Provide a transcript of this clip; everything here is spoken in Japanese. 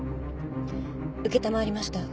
承りました。